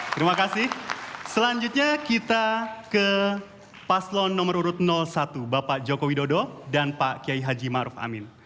terima kasih selanjutnya kita ke paslon nomor urut satu bapak joko widodo dan pak kiai haji maruf amin